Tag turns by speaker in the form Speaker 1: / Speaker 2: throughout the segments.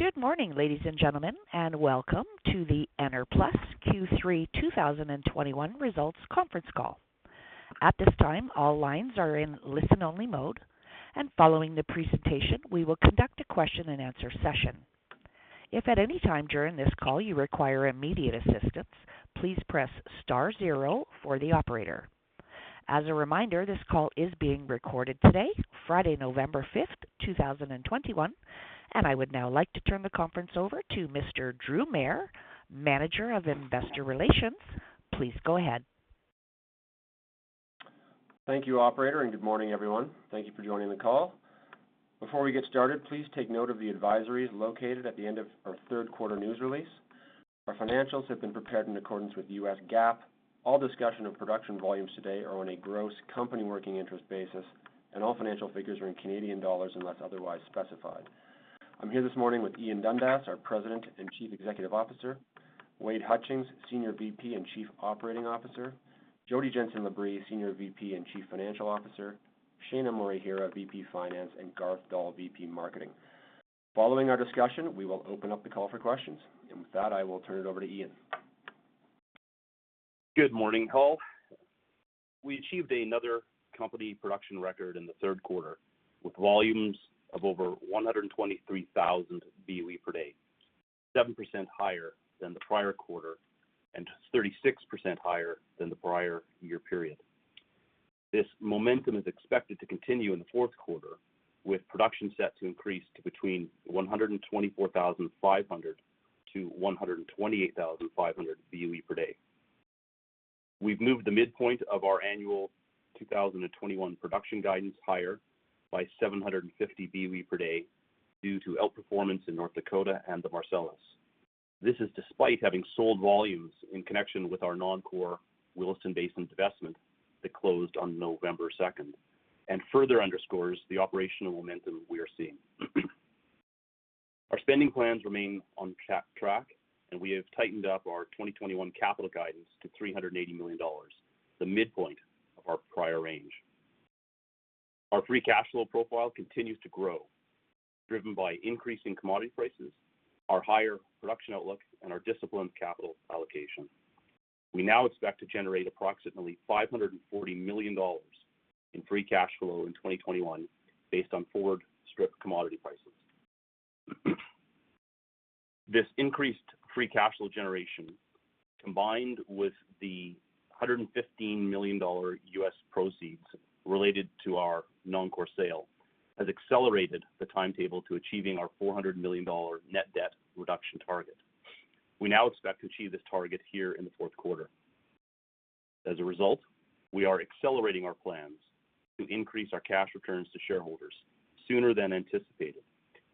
Speaker 1: Good morning, ladies and gentlemen, and welcome to the Enerplus Q3 2021 Results Conference Call. At this time, all lines are in listen-only mode, and following the presentation, we will conduct a question-and-answer session. If at any time during this call you require immediate assistance, please press star zero for the operator. As a reminder, this call is being recorded today, Friday, November 5, 2021. I would now like to turn the conference over to Mr. Drew Mair, Manager, Investor Relations. Please go ahead.
Speaker 2: Thank you, operator, and good morning, everyone. Thank you for joining the call. Before we get started, please take note of the advisories located at the end of our third quarter news release. Our financials have been prepared in accordance with the U.S. GAAP. All discussion of production volumes today are on a gross company working interest basis, and all financial figures are in Canadian dollars unless otherwise specified. I'm here this morning with Ian Dundas, our President and Chief Executive Officer, Wade Hutchings, Senior VP and Chief Operating Officer, Jodi Jenson Labrie, Senior VP and Chief Financial Officer, Shaina Morihira, VP Finance, and Garth Doll, VP Marketing. Following our discussion, we will open up the call for questions. With that, I will turn it over to Ian.
Speaker 3: Good morning, all. We achieved another company production record in the third quarter, with volumes of over 123,000 BOE per day, 7% higher than the prior quarter and 36% higher than the prior year period. This momentum is expected to continue in the fourth quarter, with production set to increase to between 124,500 BOE-128,500 BOE per day. We've moved the midpoint of our annual 2021 production guidance higher by 750 BOE per day due to outperformance in North Dakota and the Marcellus. This is despite having sold volumes in connection with our non-core Williston Basin divestment that closed on November second, and further underscores the operational momentum we are seeing. Our spending plans remain on track, and we have tightened up our 2021 capital guidance to 380 million dollars, the midpoint of our prior range. Our free cash flow profile continues to grow, driven by increasing commodity prices, our higher production outlook, and our disciplined capital allocation. We now expect to generate approximately 540 million dollars in free cash flow in 2021 based on forward strip commodity prices. This increased free cash flow generation, combined with the $115 million U.S. proceeds related to our non-core sale, has accelerated the timetable to achieving our 400 million dollar net debt reduction target. We now expect to achieve this target here in the fourth quarter. As a result, we are accelerating our plans to increase our cash returns to shareholders sooner than anticipated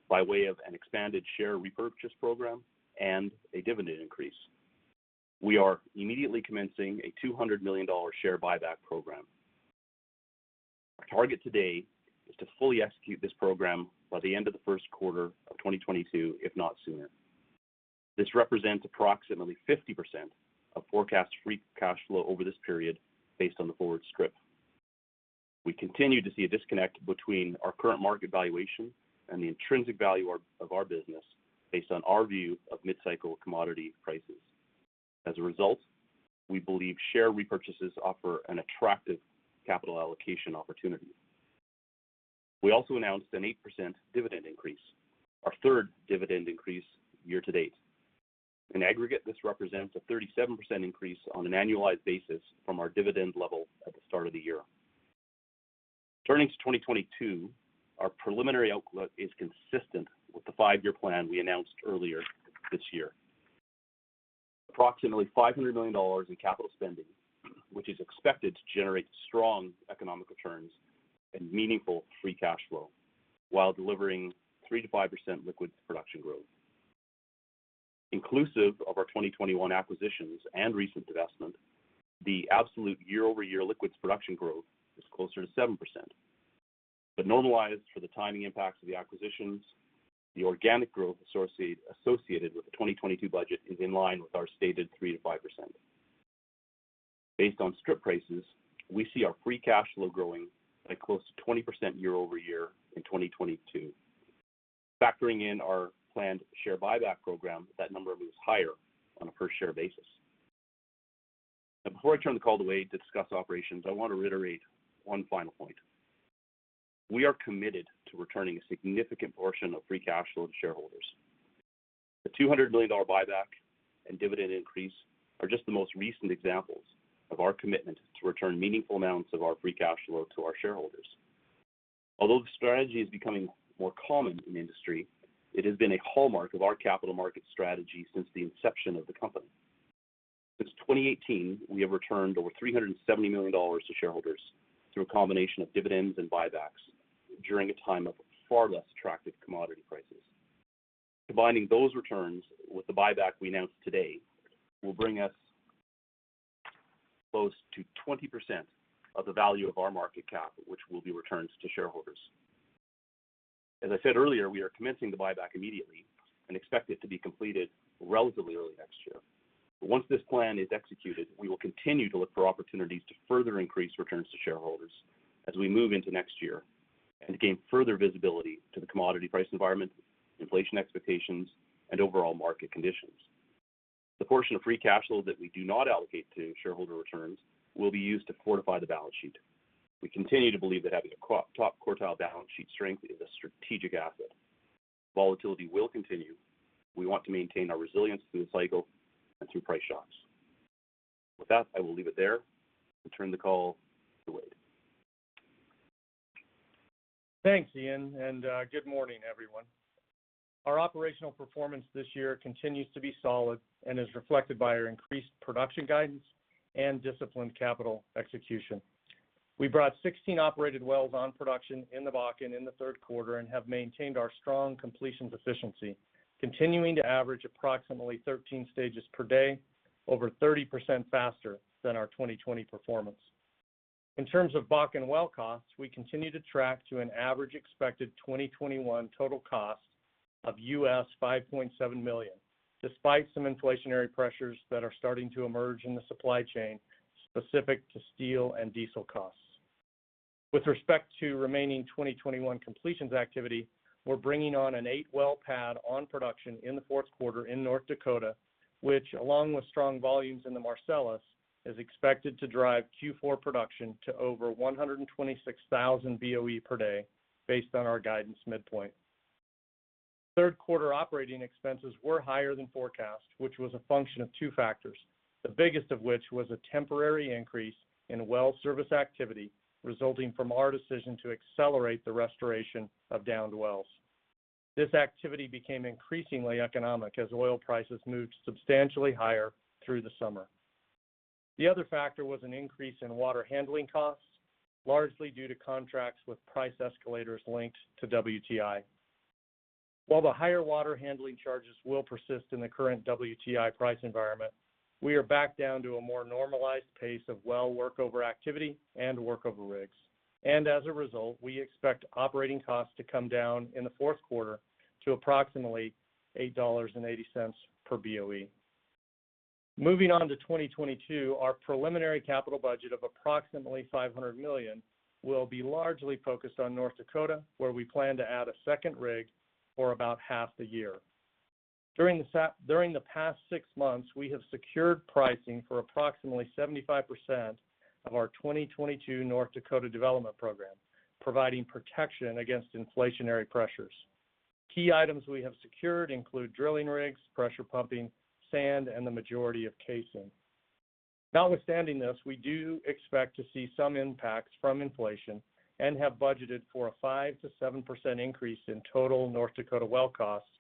Speaker 3: by way of an expanded share repurchase program and a dividend increase. We are immediately commencing a $200 million share buyback program. Our target today is to fully execute this program by the end of the first quarter of 2022, if not sooner. This represents approximately 50% of forecast free cash flow over this period based on the forward strip. We continue to see a disconnect between our current market valuation and the intrinsic value of our business based on our view of mid-cycle commodity prices. As a result, we believe share repurchases offer an attractive capital allocation opportunity. We also announced an 8% dividend increase, our third dividend increase year to date. In aggregate, this represents a 37% increase on an annualized basis from our dividend level at the start of the year. Turning to 2022, our preliminary outlook is consistent with the five-year plan we announced earlier this year. Approximately $500 million in capital spending, which is expected to generate strong economic returns and meaningful free cash flow while delivering 3%-5% liquids production growth. Inclusive of our 2021 acquisitions and recent divestment, the absolute year-over-year liquids production growth is closer to 7%. Normalized for the timing impacts of the acquisitions, the organic growth associated with the 2022 budget is in line with our stated 3%-5%. Based on strip prices, we see our free cash flow growing at close to 20% year-over-year in 2022. Factoring in our planned share buyback program, that number moves higher on a per share basis. Before I turn the call to Wade to discuss operations, I want to reiterate one final point. We are committed to returning a significant portion of free cash flow to shareholders. The 200 million dollar buyback and dividend increase are just the most recent examples of our commitment to return meaningful amounts of our free cash flow to our shareholders. Although the strategy is becoming more common in the industry, it has been a hallmark of our capital market strategy since the inception of the company. Since 2018, we have returned over 370 million dollars to shareholders through a combination of dividends and buybacks during a time of far less attractive commodity prices. Combining those returns with the buyback we announced today will bring us close to 20% of the value of our market cap, which will be returned to shareholders. As I said earlier, we are commencing the buyback immediately and expect it to be completed relatively early next year. Once this plan is executed, we will continue to look for opportunities to further increase returns to shareholders as we move into next year and gain further visibility to the commodity price environment, inflation expectations, and overall market conditions. The portion of free capital that we do not allocate to shareholder returns will be used to fortify the balance sheet. We continue to believe that having a top quartile balance sheet strength is a strategic asset. Volatility will continue. We want to maintain our resilience through the cycle and through price shocks. With that, I will leave it there and turn the call to Wade.
Speaker 4: Thanks, Ian, and good morning, everyone. Our operational performance this year continues to be solid and is reflected by our increased production guidance and disciplined capital execution. We brought 16 operated wells on production in the Bakken in the third quarter and have maintained our strong completions efficiency, continuing to average approximately 13 stages per day, over 30% faster than our 2020 performance. In terms of Bakken well costs, we continue to track to an average expected 2021 total cost of $5.7 million, despite some inflationary pressures that are starting to emerge in the supply chain specific to steel and diesel costs. With respect to remaining 2021 completions activity, we're bringing on an eight-well pad on production in the fourth quarter in North Dakota, which along with strong volumes in the Marcellus, is expected to drive Q4 production to over 126,000 BOE per day based on our guidance midpoint. Third quarter operating expenses were higher than forecast, which was a function of two factors, the biggest of which was a temporary increase in well service activity resulting from our decision to accelerate the restoration of downed wells. This activity became increasingly economic as oil prices moved substantially higher through the summer. The other factor was an increase in water handling costs, largely due to contracts with price escalators linked to WTI. While the higher water handling charges will persist in the current WTI price environment, we are back down to a more normalized pace of well workover activity and workover rigs. As a result, we expect operating costs to come down in the fourth quarter to approximately $8.80 per BOE. Moving on to 2022, our preliminary capital budget of approximately $500 million will be largely focused on North Dakota, where we plan to add a second rig for about half the year. During the past six months, we have secured pricing for approximately 75% of our 2022 North Dakota development program, providing protection against inflationary pressures. Key items we have secured include drilling rigs, pressure pumping, sand, and the majority of casing. Notwithstanding this, we do expect to see some impacts from inflation and have budgeted for a 5%-7% increase in total North Dakota well costs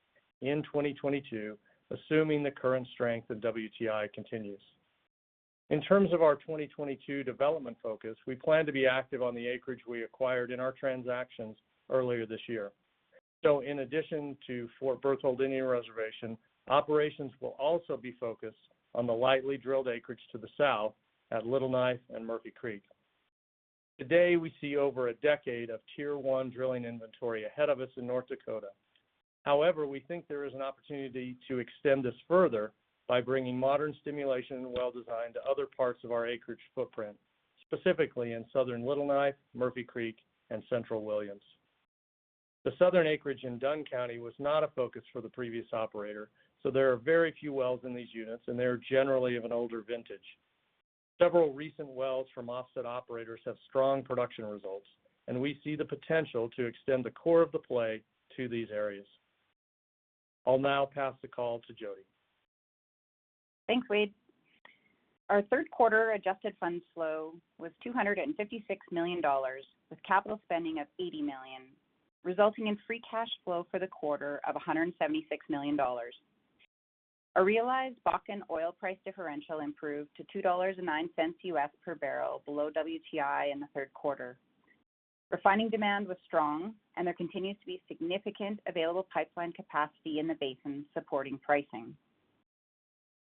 Speaker 4: in 2022, assuming the current strength of WTI continues. In terms of our 2022 development focus, we plan to be active on the acreage we acquired in our transactions earlier this year. In addition to Fort Berthold Indian Reservation, operations will also be focused on the lightly drilled acreage to the south at Little Knife and Murphy Creek. Today, we see over a decade of tier-one drilling inventory ahead of us in North Dakota. However, we think there is an opportunity to extend this further by bringing modern stimulation and well design to other parts of our acreage footprint, specifically in Southern Little Knife, Murphy Creek, and Central Williams. The southern acreage in Dunn County was not a focus for the previous operator, so there are very few wells in these units, and they are generally of an older vintage. Several recent wells from offset operators have strong production results, and we see the potential to extend the core of the play to these areas. I'll now pass the call to Jodi.
Speaker 5: Thanks, Wade. Our third quarter adjusted funds flow was $256 million with capital spending of $80 million, resulting in free cash flow for the quarter of $176 million. Our realized Bakken oil price differential improved to $2.09 U.S. per barrel below WTI in the third quarter. Refining demand was strong and there continues to be significant available pipeline capacity in the basin supporting pricing.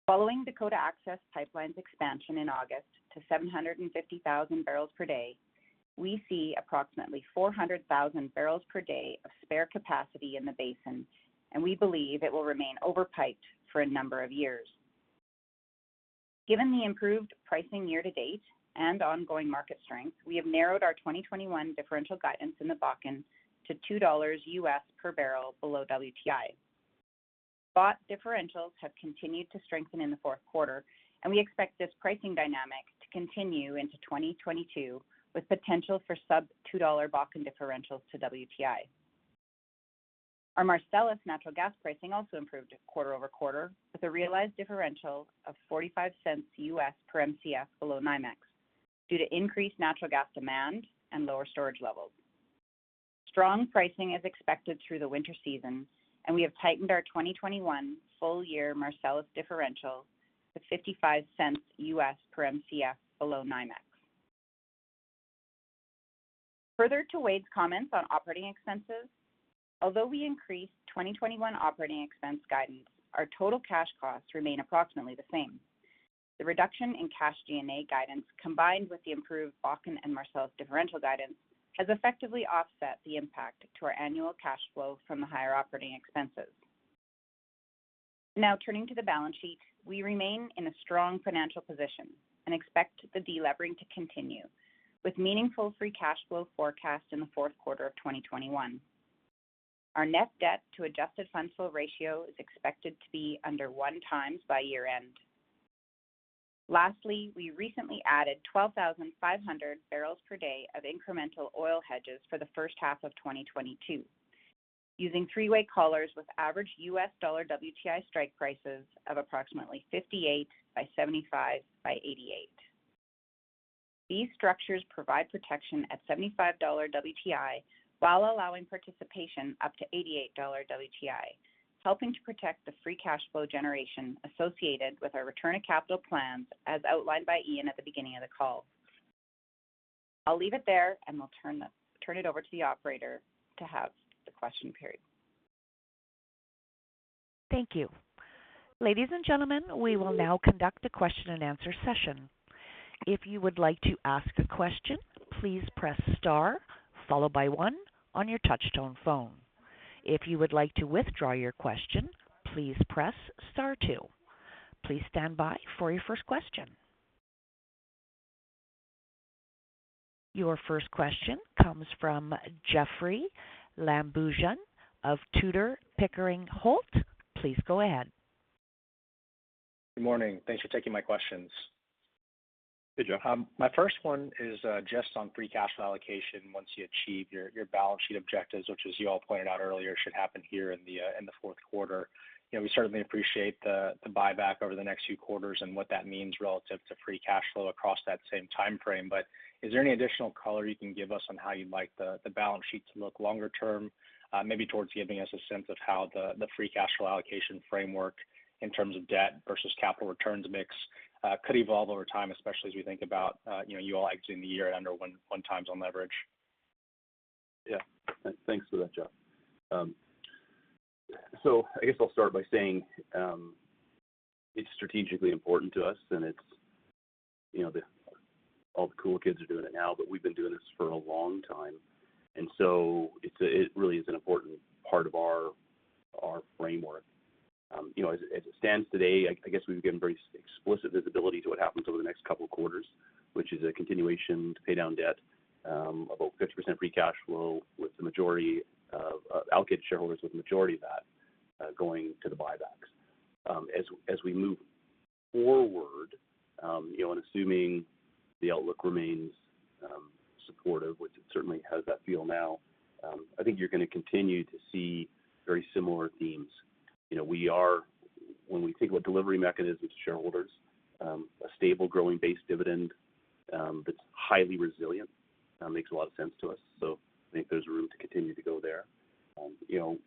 Speaker 5: Following Dakota Access Pipeline's expansion in August to 750,000 barrels per day, we see approximately 400,000 barrels per day of spare capacity in the basin, and we believe it will remain over-piped for a number of years. Given the improved pricing year to date and ongoing market strength, we have narrowed our 2021 differential guidance in the Bakken to $2 U.S. per barrel below WTI. Spot differentials have continued to strengthen in the fourth quarter, and we expect this pricing dynamic to continue into 2022, with potential for sub-$2 Bakken differentials to WTI. Our Marcellus natural gas pricing also improved quarter-over-quarter, with a realized differential of $0.45 per Mcf below NYMEX due to increased natural gas demand and lower storage levels. Strong pricing is expected through the winter season, and we have tightened our 2021 full-year Marcellus differential to $0.55 per Mcf below NYMEX. Further to Wade's comments on operating expenses, although we increased 2021 operating expense guidance, our total cash costs remain approximately the same. The reduction in cash DD&A guidance, combined with the improved Bakken and Marcellus differential guidance, has effectively offset the impact to our annual cash flow from the higher operating expenses. Now turning to the balance sheet. We remain in a strong financial position and expect the delevering to continue with meaningful free cash flow forecast in the fourth quarter of 2021. Our net debt to adjusted fund flow ratio is expected to be under one times by year-end. Lastly, we recently added 12,500 barrels per day of incremental oil hedges for the first half of 2022, using three-way collars with average U.S. dollar WTI strike prices of approximately 58 by 75 by 88. These structures provide protection at $75 WTI while allowing participation up to $88 WTI, helping to protect the free cash flow generation associated with our return of capital plans as outlined by Ian at the beginning of the call. I'll leave it there, and we'll turn it over to the operator to have the question period.
Speaker 1: Thank you. Ladies and gentlemen, we will now conduct a question and answer session. If you would like to ask a question, please press star followed by one on your touchtone phone. If you would like to withdraw your question, please press star two. Please stand by for your first question. Your first question comes from Jeoffrey Lambujon of Tudor, Pickering, Holt. Please go ahead.
Speaker 6: Good morning. Thanks for taking my questions.
Speaker 3: Hey, Jeff.
Speaker 6: My first one is just on free cash flow allocation once you achieve your balance sheet objectives, which as you all pointed out earlier, should happen here in the fourth quarter. You know, we certainly appreciate the buyback over the next few quarters and what that means relative to free cash flow across that same timeframe. Is there any additional color you can give us on how you'd like the balance sheet to look longer term, maybe towards giving us a sense of how the free cash flow allocation framework in terms of debt versus capital returns mix could evolve over time, especially as we think about, you know, you all exiting the year at under one times on leverage?
Speaker 3: Yeah. Thanks for that, Jeff. I guess I'll start by saying, it's strategically important to us, and it's, you know, all the cool kids are doing it now, but we've been doing this for a long time, and so it really is an important part of our framework. You know, as it stands today, I guess we've given very explicit visibility to what happens over the next couple quarters, which is a continuation to pay down debt, about 50% free cash flow with the majority of that allocated to shareholders, with the majority of that going to the buybacks. As we move forward, you know, and assuming the outlook remains supportive, which it certainly has that feel now, I think you're gonna continue to see very similar themes. You know, when we think about delivery mechanisms to shareholders, a stable growing base dividend that's highly resilient makes a lot of sense to us. I think there's room to continue to go there. You know,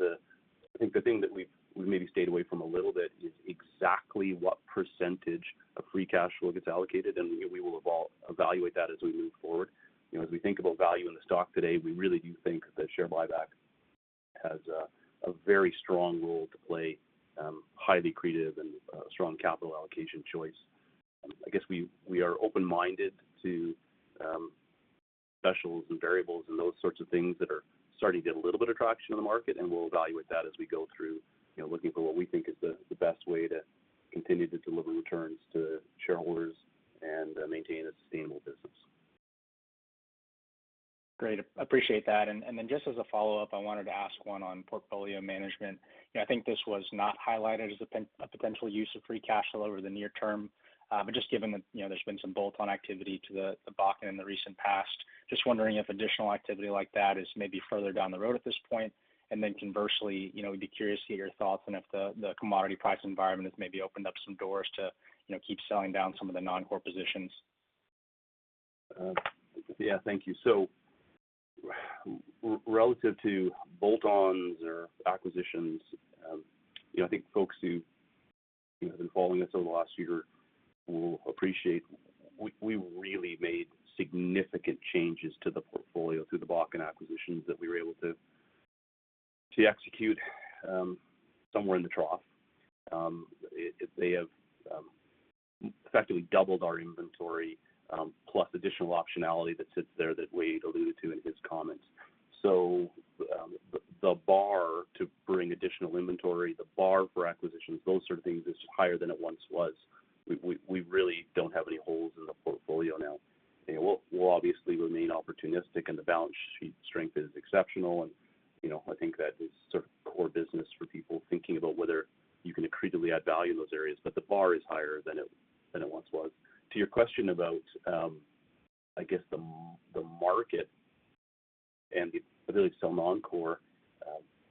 Speaker 3: I think the thing that we've maybe stayed away from a little bit is exactly what percentage of free cash flow gets allocated, and we will evaluate that as we move forward. You know, as we think about value in the stock today, we really do think that share buyback has a very strong role to play, highly accretive and strong capital allocation choice. I guess we are open-minded to specials and variables and those sorts of things that are starting to get a little bit of traction in the market, and we'll evaluate that as we go through, you know, looking for what we think is the best way to continue to deliver returns to shareholders and maintain a sustainable business.
Speaker 6: Great. Appreciate that. Just as a follow-up, I wanted to ask one on portfolio management. You know, I think this was not highlighted as a potential use of free cash flow over the near term. Just given that, you know, there's been some bolt-on activity to the Bakken in the recent past, just wondering if additional activity like that is maybe further down the road at this point. Conversely, you know, we'd be curious to hear your thoughts on if the commodity price environment has maybe opened up some doors to keep selling down some of the non-core positions.
Speaker 3: Thank you. Relative to bolt-ons or acquisitions, you know, I think folks who, you know, have been following us over the last year will appreciate we really made significant changes to the portfolio through the Bakken acquisitions that we were able to execute, somewhere in the trough. They have effectively doubled our inventory, plus additional optionality that sits there that Wade alluded to in his comments. The bar to bring additional inventory, the bar for acquisitions, those sort of things is higher than it once was. We really don't have any holes in the portfolio now. You know, we'll obviously remain opportunistic, and the balance sheet strength is exceptional, and, you know, I think that is sort of core business for people thinking about whether you can accretively add value in those areas. The bar is higher than it once was. To your question about, I guess the market and the ability to sell non-core,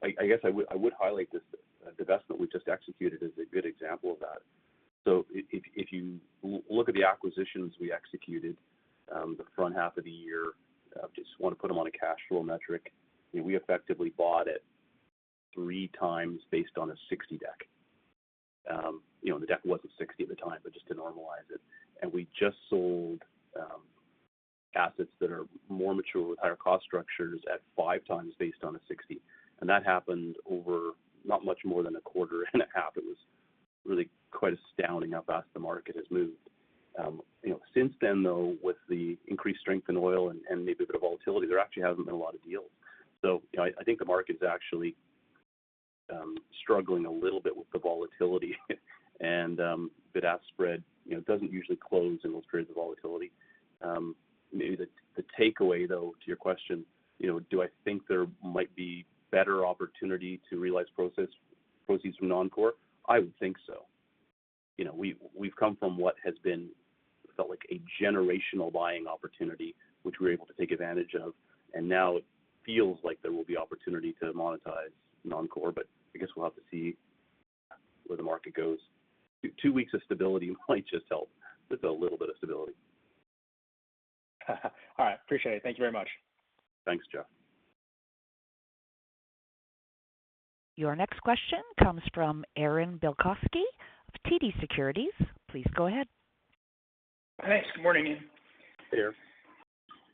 Speaker 3: I guess I would highlight this divestment we just executed as a good example of that. If you look at the acquisitions we executed, the front half of the year, just wanna put them on a cash flow metric. You know, we effectively bought it 3x based on a 60 deck. You know, the deck wasn't 60 at the time, but just to normalize it. We just sold assets that are more mature with higher cost structures at 5x based on a 60. That happened over not much more than a quarter and a half. It was really quite astounding how fast the market has moved. You know, since then, though, with the increased strength in oil and maybe the volatility, there actually hasn't been a lot of deals. You know, I think the market's actually struggling a little bit with the volatility and bid-ask spread. You know, it doesn't usually close in those periods of volatility. Maybe the takeaway, though, to your question, you know, do I think there might be better opportunity to realize proceeds from non-core? I would think so. You know, we've come from what has felt like a generational buying opportunity, which we're able to take advantage of, and now it feels like there will be opportunity to monetize non-core. I guess we'll have to see where the market goes. Two weeks of stability might just help with a little bit of stability.
Speaker 6: All right. Appreciate it. Thank you very much.
Speaker 3: Thanks, Jeff.
Speaker 1: Your next question comes from Aaron Bilkoski of TD Securities. Please go ahead.
Speaker 7: Thanks. Good morning.
Speaker 3: Hey, Aaron.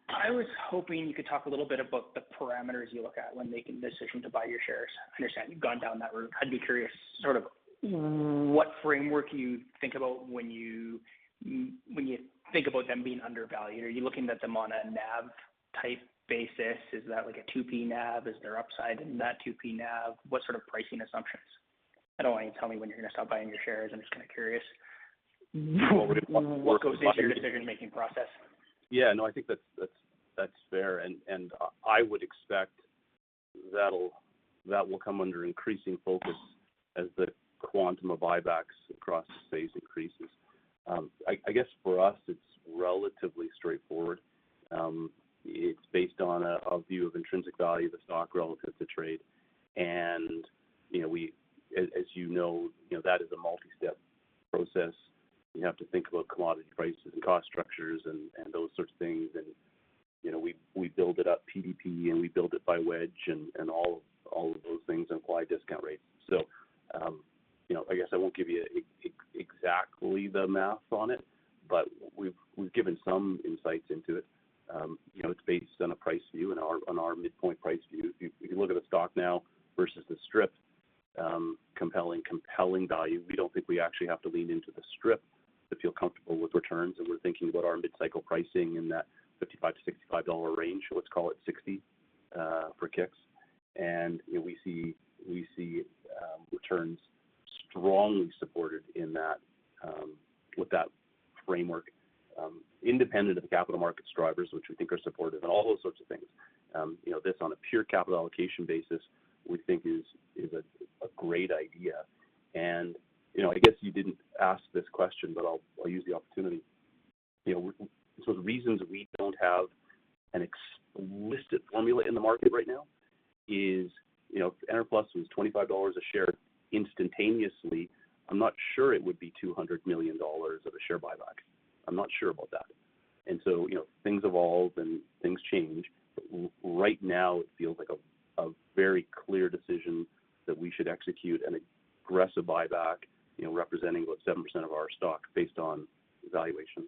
Speaker 7: I was hoping you could talk a little bit about the parameters you look at when making the decision to buy your shares. I understand you've gone down that route. I'd be curious sort of what framework you think about when you think about them being undervalued. Are you looking at them on a NAV type basis? Is that like a 2P NAV? Is there upside in that 2P NAV? What sort of pricing assumptions? I don't want you to tell me when you're gonna stop buying your shares. I'm just kinda curious.
Speaker 3: What would it look-
Speaker 7: What goes into your decision-making process?
Speaker 3: Yeah, no, I think that's fair. I would expect that will come under increasing focus as the quantum of buybacks across the space increases. I guess for us, it's relatively straightforward. It's based on a view of intrinsic value of the stock relative to trade. As you know, that is a multi-step process. You have to think about commodity prices and cost structures and those sorts of things. You know, we build it up PDP, and we build it by wedge and all of those things and apply discount rates. I guess I won't give you exactly the math on it, but we've given some insights into it. It's based on a price view and on our midpoint price view. If you can look at the stock now versus the strip, compelling value, we don't think we actually have to lean into the strip to feel comfortable with returns, and we're thinking about our mid-cycle pricing in that $55-$65 range. Let's call it 60 for kicks. You know, we see returns strongly supported in that with that framework, independent of capital markets drivers, which we think are supportive and all those sorts of things. You know, this on a pure capital allocation basis, we think is a great idea. You know, I guess you didn't ask this question, but I'll use the opportunity. You know, so the reasons we don't have an explicit formula in the market right now is, you know, if Enerplus was 25 dollars a share instantaneously, I'm not sure it would be 200 million dollars of a share buyback. I'm not sure about that. You know, things evolve and things change. Right now it feels like a very clear decision that we should execute an aggressive buyback, you know, representing about 7% of our stock based on valuation.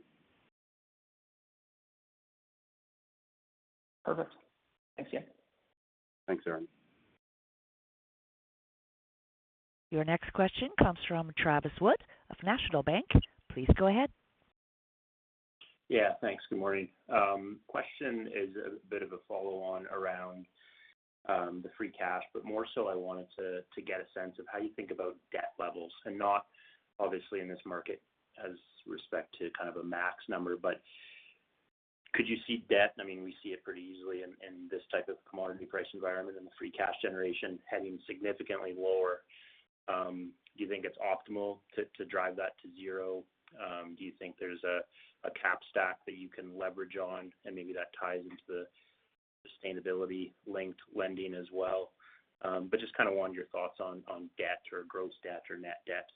Speaker 7: Perfect. Thanks, Ian.
Speaker 3: Thanks, Aaron.
Speaker 1: Your next question comes from Travis Wood of National Bank. Please go ahead.
Speaker 8: Yeah, thanks. Good morning. Question is a bit of a follow-on around the free cash, but more so I wanted to get a sense of how you think about debt levels and not obviously in this market as respect to kind of a max number. Could you see debt, I mean, we see it pretty easily in this type of commodity price environment and the free cash generation heading significantly lower. Do you think it's optimal to drive that to zero? Do you think there's a cap stack that you can leverage on and maybe that ties into the sustainability-linked lending as well? Just kinda wanted your thoughts on debt or gross debt or net debt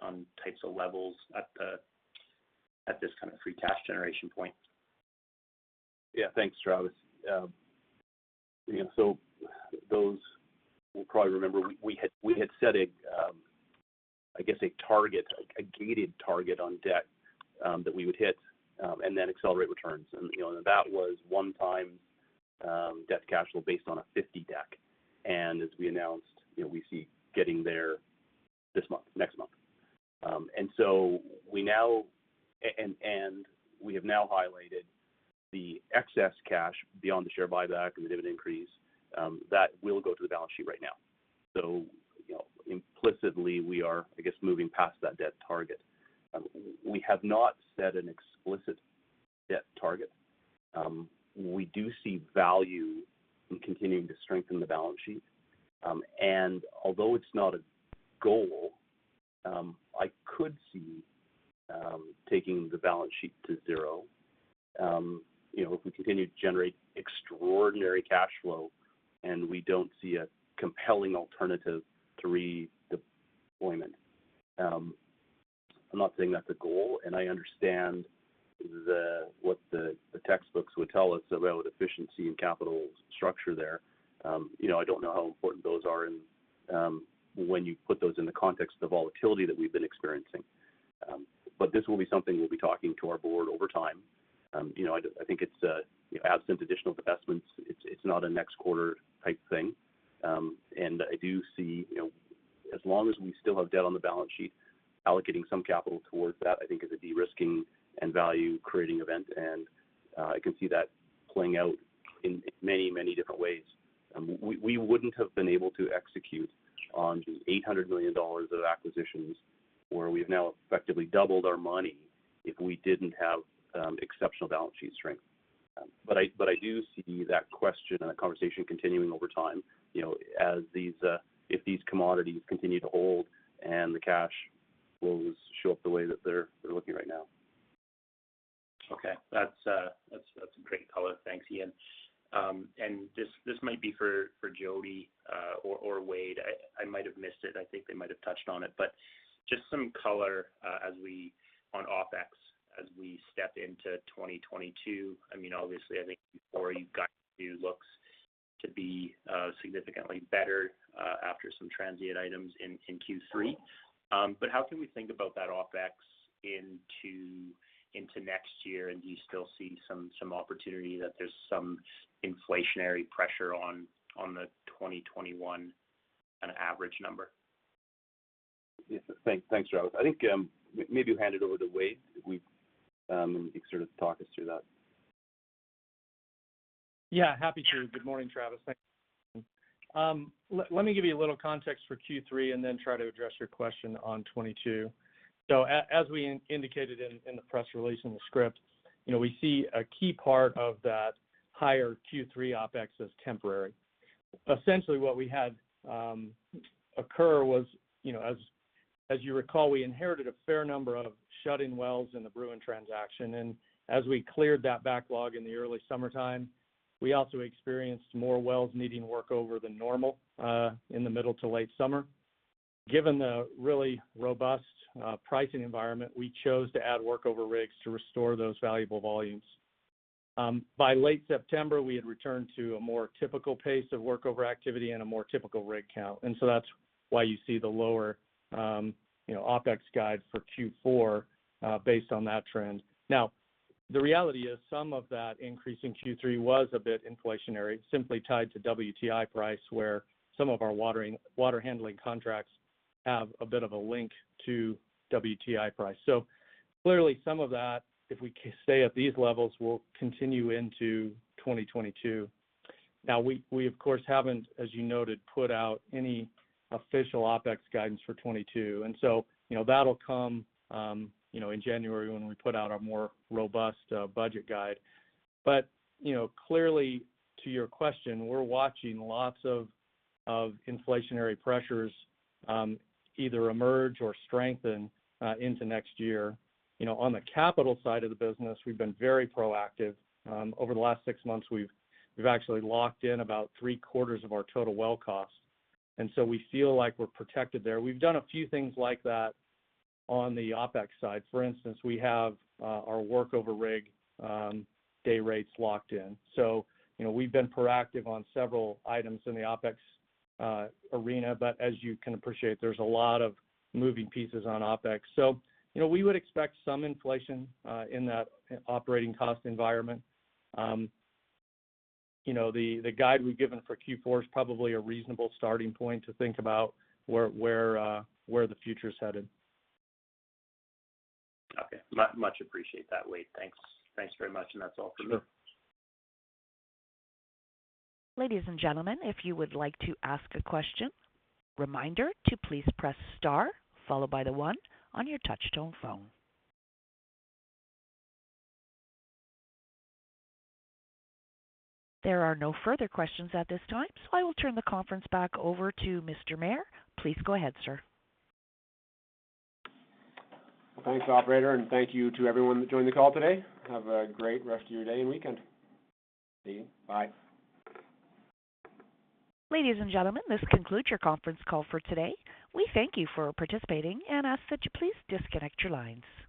Speaker 8: on types of levels at this kind of free cash generation point.
Speaker 3: Yeah. Thanks, Travis. You know, you'll probably remember we had set a, I guess, a target, a gated target on debt that we would hit and then accelerate returns. You know, that was 1x debt to cash flow based on a 5.0x. As we announced, you know, we're getting there this month, next month. We have now highlighted the excess cash beyond the share buyback and the dividend increase that will go to the balance sheet right now. You know, implicitly, we are, I guess, moving past that debt target. We have not set an explicit debt target. We do see value in continuing to strengthen the balance sheet. Although it's not a goal, I could see taking the balance sheet to zero. You know, if we continue to generate extraordinary cash flow and we don't see a compelling alternative to redeployment. I'm not saying that's a goal, and I understand what the textbooks would tell us about efficiency and capital structure there. You know, I don't know how important those are when you put those in the context of the volatility that we've been experiencing. This will be something we'll be talking to our board over time. You know, I think it's, you know, absent additional investments, it's not a next quarter type thing. I do see, you know, as long as we still have debt on the balance sheet, allocating some capital towards that, I think is a de-risking and value-creating event. I can see that playing out in many different ways. We wouldn't have been able to execute on the $800 million of acquisitions where we've now effectively doubled our money if we didn't have exceptional balance sheet strength. But I do see that question and that conversation continuing over time, you know, as these, if these commodities continue to hold and the cash flows show up the way that they're looking right now.
Speaker 8: Okay. That's a great color. Thanks, Ian. This might be for Jodi or Wade. I might have missed it. I think they might have touched on it. Just some color on OpEx as we step into 2022. I mean, obviously, I think before you've got looks to be significantly better after some transient items in Q3. How can we think about that OpEx into next year? Do you still see some opportunity that there's some inflationary pressure on the 2021 kind of average number?
Speaker 3: Yeah. Thanks, Travis. I think maybe hand it over to Wade if he can sort of talk us through that.
Speaker 4: Yeah, happy to. Good morning, Travis. Thanks. Let me give you a little context for Q3 and then try to address your question on 2022. As we indicated in the press release in the script, you know, we see a key part of that higher Q3 OpEx as temporary. Essentially, what we had occur was, you know, as you recall, we inherited a fair number of shut-in wells in the Bruin transaction. As we cleared that backlog in the early summertime, we also experienced more wells needing workover than normal in the middle to late summer. Given the really robust pricing environment, we chose to add workover rigs to restore those valuable volumes. By late September, we had returned to a more typical pace of workover activity and a more typical rig count. That's why you see the lower, you know, OpEx guide for Q4, based on that trend. Now, the reality is some of that increase in Q3 was a bit inflationary, simply tied to WTI price, where some of our water handling contracts have a bit of a link to WTI price. Clearly, some of that, if we stay at these levels, will continue into 2022. Now we of course haven't, as you noted, put out any official OpEx guidance for 2022. You know, that'll come, you know, in January when we put out our more robust, budget guide. You know, clearly to your question, we're watching lots of inflationary pressures, either emerge or strengthen, into next year. You know, on the capital side of the business, we've been very proactive. Over the last six months, we've actually locked in about three-quarters of our total well cost, and we feel like we're protected there. We've done a few things like that on the OpEx side. For instance, we have our workover rig day rates locked in. You know, we've been proactive on several items in the OpEx arena. As you can appreciate, there's a lot of moving pieces on OpEx. You know, we would expect some inflation in that operating cost environment. You know, the guide we've given for Q4 is probably a reasonable starting point to think about where the future's headed.
Speaker 8: Okay. Much appreciate that, Wade. Thanks. Thanks very much. That's all for me.
Speaker 4: Sure.
Speaker 1: Ladies and gentlemen, if you would like to ask a question, reminder to please press star followed by the one on your touch-tone phone. There are no further questions at this time, so I will turn the conference back over to Mr. Mair. Please go ahead, sir.
Speaker 2: Well, thanks, operator, and thank you to everyone that joined the call today. Have a great rest of your day and weekend. See you. Bye.
Speaker 1: Ladies and gentlemen, this concludes your conference call for today. We thank you for participating and ask that you please disconnect your lines.